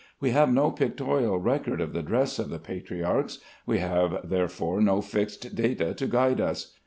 We have no pictorial record of the dress of the patriarchs; we have therefore no fixed data to guide us.